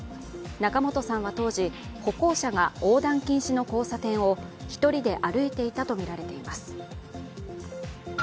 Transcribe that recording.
仲本さんは当時、歩行者が横断禁止の交差点を１人で歩いていたとみられています。